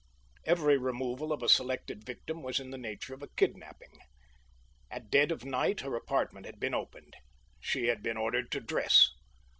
Every removal of a selected victim was in the nature of a kidnapping. At dead of night her apartment had been opened. She had been ordered to dress.